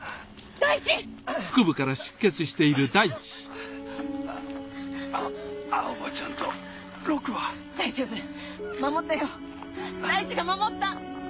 大地が守った。